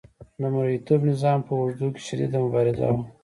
د مرئیتوب نظام په اوږدو کې شدیده مبارزه وه.